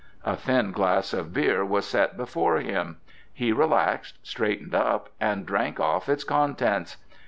A thin glass of beer was set before him; he relaxed, straightened up, and drank off its contents.